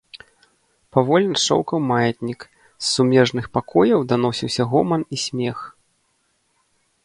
Павольна шчоўкаў маятнік, з сумежных пакояў даносіўся гоман і смех.